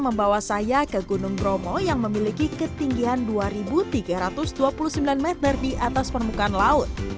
membawa saya ke gunung bromo yang memiliki ketinggian dua tiga ratus dua puluh sembilan meter di atas permukaan laut